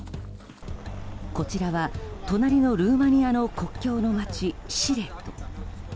こちらは隣のルーマニアの国境の街シレト。